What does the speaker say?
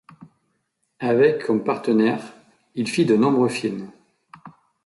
Avec comme partenaire, il fit de nombreux films.